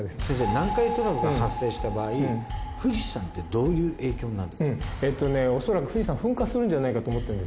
南海トラフが発生した場合富士山ってどういう影響になる。